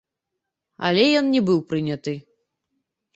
Але ён не быў прыняты.